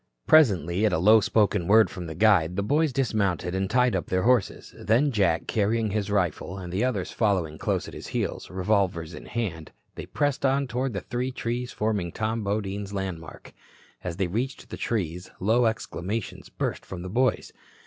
Presently at a low spoken word from the guide the boys dismounted and tied up their horses. Then, Jack carrying his rifle, and the others following close at his heels, revolvers in hand, they pressed on toward the three trees forming Tom Bodine's landmark. As they reached the trees, low exclamations burst from the boys.